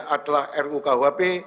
adalah ruu kuhp